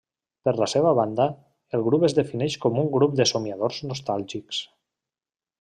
Per la seva banda, el grup es defineix com un grup de somiadors nostàlgics.